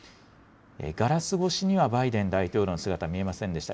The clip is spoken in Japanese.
ガラス越しにはバイデン大統領の姿は見えませんでした。